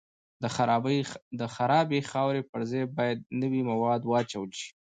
د خرابې خاورې پر ځای باید نوي مواد واچول شي